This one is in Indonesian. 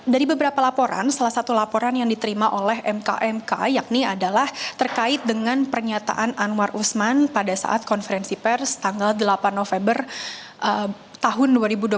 dari beberapa laporan salah satu laporan yang diterima oleh mkmk yakni adalah terkait dengan pernyataan anwar usman pada saat konferensi pers tanggal delapan november tahun dua ribu dua puluh satu